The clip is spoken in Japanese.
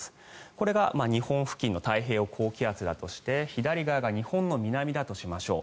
これが日本付近の太平洋高気圧だとして左側が日本の南だとしましょう。